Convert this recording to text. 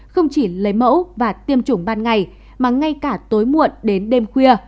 không chỉ lấy mẫu và tiêm chủng ban ngày mà ngay cả tối muộn đến đêm khuya